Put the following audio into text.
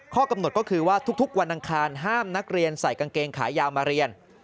ข้อกำหนดก็คือว่าทุกวันอังคารห้ามนักเรียนใส่กางเกงขายาวมาเรียน